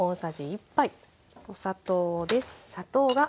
お砂糖です。